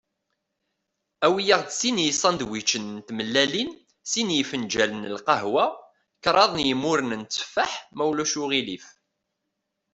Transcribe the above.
Awi-aɣ-d sin n yisandwicen n tmellalin, sin n yifenǧalen n lqehwa, kraḍ n yimuren n tteffeḥ, ma ulac aɣilif.